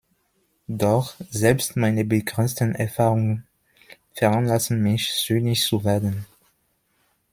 Doch selbst meine begrenzten Erfahrungen veranlassen mich, zynisch zu werden.